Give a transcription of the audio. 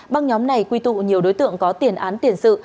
băng nhóm này quy tụ nhiều đối tượng có tiền án tiền sự